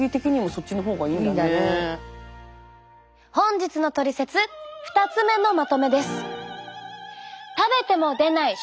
本日のトリセツ２つ目のまとめです。